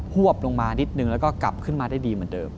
วบลงมานิดนึงแล้วก็กลับขึ้นมาได้ดีเหมือนเดิม